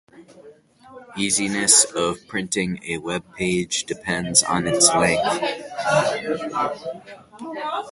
Easiness of printing a web page depends on its length.